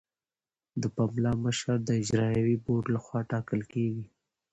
د پملا مشر د اجرایوي بورډ لخوا ټاکل کیږي.